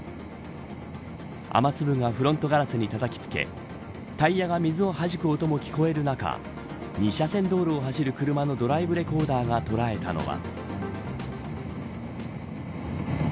雨粒がフロントガラスにたたきつけタイヤが水をはじく音も聞こえる中２車線道路を走る車のドライブレコーダーが捉えたのは。